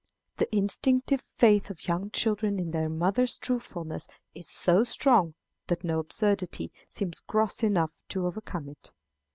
The instinctive faith of young children in their mother's truthfulness is so strong that no absurdity seems gross enough to overcome it.